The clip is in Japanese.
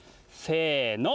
せの。